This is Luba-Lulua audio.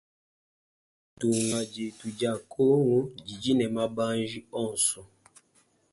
Ditunga dietu dia kongu didi ne mabanji onsu.